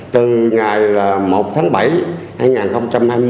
từ ngày một tháng bảy